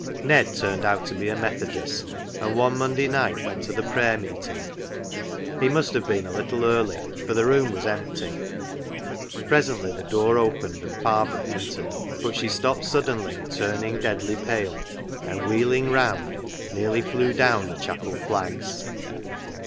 Ned turned out to be a Methodist, and one Monday night went to the prayer meeting. He must have been a little early, for the room was empty. Presently the door opened, and Barbara entered. But she stopped suddenly, turned deadly pale, and, wheeling round, nearly flew down the chapel flags.